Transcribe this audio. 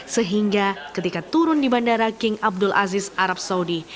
sehingga ketika turun di bandara king abdul aziz arab saudi